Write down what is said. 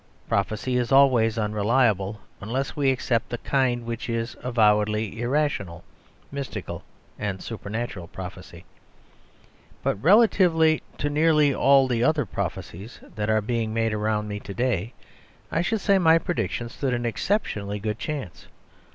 Prophecy is always unreliable; unless we except the kind which is avowedly irrational, mystical and supernatural prophecy. But relatively to nearly all the other prophecies that are being made around me to day, I should say my prediction stood an exceptionally good chance.